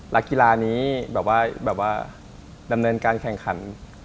รักกีฬานี้ดำเนินการแข่งขัน